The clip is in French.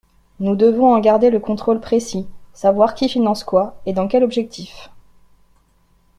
Nous devons en garder le contrôle précis, savoir qui finance quoi et dans quel objectif.